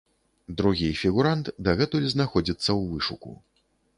Другі фігурант дагэтуль знаходзіцца ў вышуку.